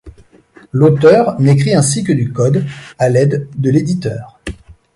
L'auteur n'écrit ainsi que du code à l'aide de l'éditeur.